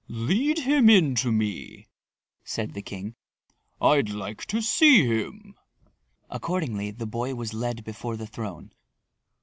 "Lead him in to me," said the king. "I'd like to see him." Accordingly, the boy was led before the throne.